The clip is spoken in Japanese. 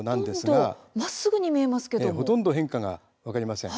ほとんど変化が分かりません。